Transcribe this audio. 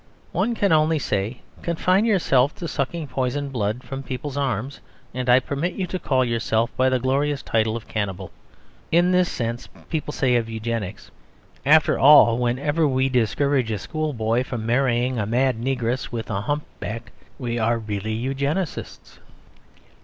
One can only say "Confine yourself to sucking poisoned blood from people's arms, and I permit you to call yourself by the glorious title of Cannibal." In this sense people say of Eugenics, "After all, whenever we discourage a schoolboy from marrying a mad negress with a hump back, we are really Eugenists."